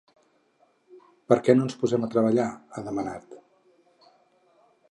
Per què no ens posem a treballar?, ha demanat.